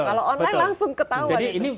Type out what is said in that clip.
kalau online langsung ketawa gitu